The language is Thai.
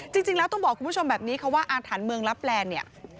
จริงจริงแล้วต้องบอกคุณผู้ชมแบบนี้เขาว่าอาฐานเมืองรับแปลนเนี่ย